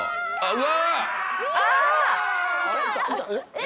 うわ！